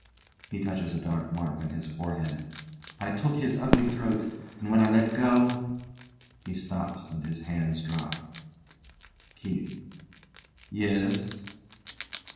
[He touches a dark mark on his forehead] I took his ugly throat, and when I let go [He stops and his hands drop.] KEITH. Yes?